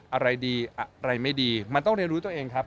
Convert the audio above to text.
อะไรดีอะไรไม่ดีมันต้องเรียนรู้ตัวเองครับ